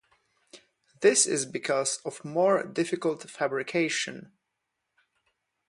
This is because of more difficult fabrication.